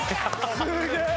すげえ！